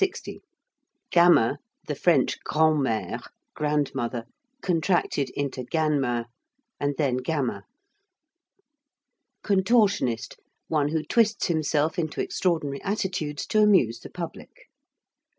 ('Gammer,' the French grand' mère, grandmother, contracted into 'ganmer,' and then 'gammer.') ~contortionist~: one who twists himself into extraordinary attitudes to amuse the public.